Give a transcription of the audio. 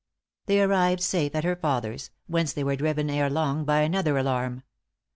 They arrived safe at her father's, whence they were driven ere long by another alarm.